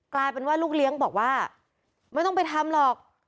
กลายเป็นว่าลูกเลี้ยงบอกว่าไม่ต้องไปทำหรอก